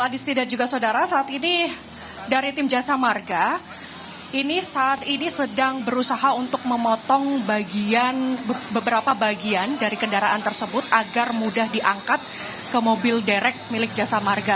distri dan juga saudara saat ini dari tim jasa marga ini saat ini sedang berusaha untuk memotong beberapa bagian dari kendaraan tersebut agar mudah diangkat ke mobil derek milik jasa marga